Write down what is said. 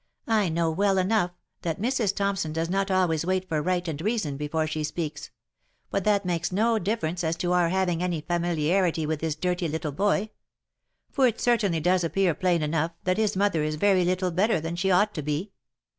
" I know well enough, that Mrs. Thompson does not always wait for right and reason before she speaks — but that makes no difference as to our having any fami liarity with this dirty little boy ; for it certainly does appear plain enough, that his mother is very little better than she ought to be."